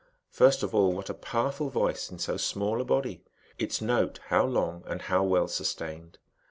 First of all, vhat a powerful voice in so small a body ! its note, how long, nd how well sustained